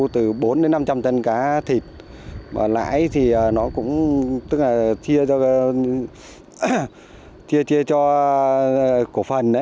từ bốn năm trăm linh tấn cá thịt và lãi thì nó cũng chia cho cổ phần